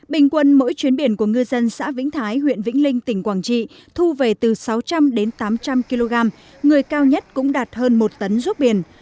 bình quân mỗi chuyến biển của ngư dân xã vĩnh thái huyện vĩnh linh tỉnh quảng trị thu về từ sáu trăm linh đến tám trăm linh kg người cao nhất cũng đạt hơn một tấn ruốc biển